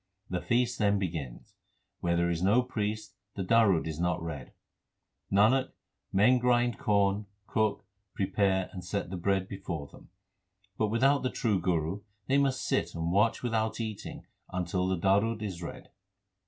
The feast then begins. Where there is no priest the darud is not read : Nanak, men grind corn, cook, prepare, and set the bread before them ; But without the true Guru they must sit and watch without eating until the darud is read.